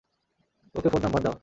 ওকে phone number দাও।